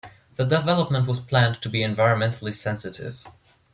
The development was planned to be environmentally sensitive.